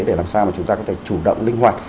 để làm sao mà chúng ta có thể chủ động linh hoạt